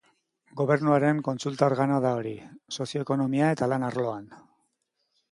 Gobernuaren kontsulta-organoa da hori, sozio-ekonomia eta lan arloan.